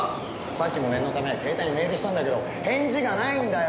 さっきも念のため携帯にメールしたんだけど返事がないんだよ。